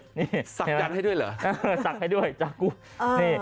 สักกันให้ด้วยเหรอจากุนี่